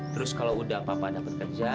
terus kalau udah papa dapat kerja